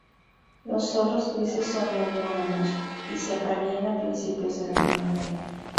Los zorros grises son monógamos y se aparean a principios de la primavera.